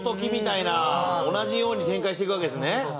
同じように展開していくわけですね。